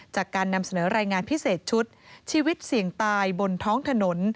จากการนำเสนอรายงานพิเศษชุดชีวิตเสี่ยงตายบนท้องถนน